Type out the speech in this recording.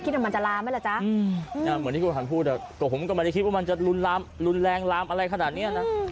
ถึงให้ชิคกี้พายคิดว่ามันจะลุ้นร้ามลุ้นแรงล้ามอะไรขนาดนี้นะ